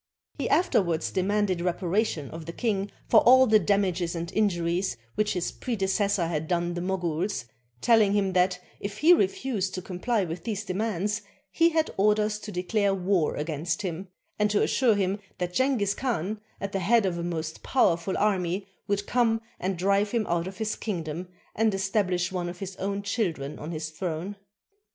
He afterwards demanded reparation of the king for all the damages and injuries which his predeces sor had done the Moguls, telHng him that, if he refused to comply with these demands, he had orders to declare war against him, and to assure him that Jenghiz Khan, at the head of a most powerful army, would come and drive him out of his kingdom and estabHsh one of his own children on his throne.